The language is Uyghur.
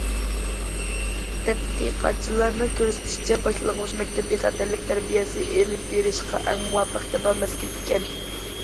تەتقىقاتچىلارنىڭ كۆرسىتىشىچە، باشلانغۇچ مەكتەپ بىخەتەرلىك تەربىيەسى ئېلىپ بېرىشقا ئەڭ مۇۋاپىق كېلىدىغان مەزگىل ئىكەن.